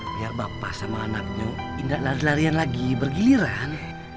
biar bapak sama anaknya tidak lari larian lagi bergiliran